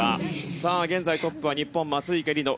さあ現在トップは日本、松生理乃